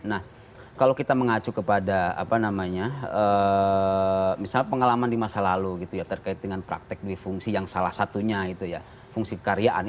nah kalau kita mengacu kepada apa namanya misal pengalaman di masa lalu gitu ya terkait dengan praktek dwi fungsi yang salah satunya itu ya fungsi karyaan